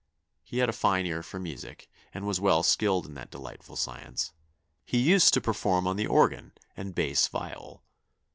He had a fine ear for music, and was well skilled in that delightful science; he used to perform on the organ and bass viol.